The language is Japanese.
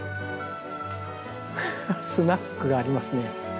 スナックがありますね。